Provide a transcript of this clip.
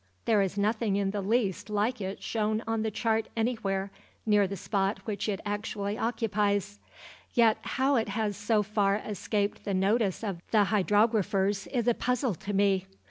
There is nothing in the least like it shown on the chart anywhere near the spot which it actually occupies, yet how it has so far escaped the notice of the hydrographers is a puzzle to me.